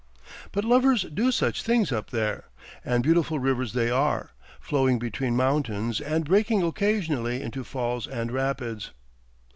But lovers do such things up there; and beautiful rivers they are, flowing between mountains, and breaking occasionally into falls and rapids.